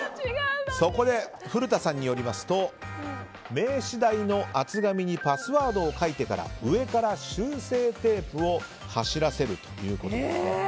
そこで古田さんによりますと名刺大の厚紙にパスワードを書いてから上から修正テープを走らせるということです。